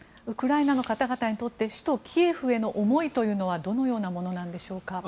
ウクライナの方々にとって首都キエフへの思いはどのようなものなんでしょうか。